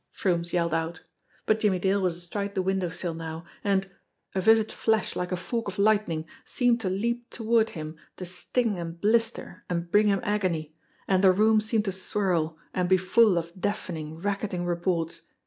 Froomes yelled out. But Jimmie Dale was astride the window sill now, and a vivid flash like a fork of lightning seemed to leap toward him to sting and blister and bring him agony, and the room seemed to swirl and be full of deafening, racketing reports.